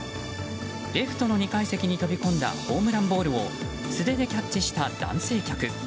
レフトの２階席に飛び込んだホームランボールを素手でキャッチした男性客。